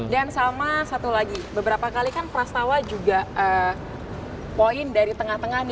dan sama satu lagi beberapa kali kan prastawa juga point dari tengah tengah nih